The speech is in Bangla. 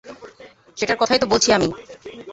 সেটার কথাই তো বলছি আমি।